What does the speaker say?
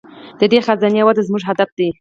د دې خزانې وده زموږ هدف دی.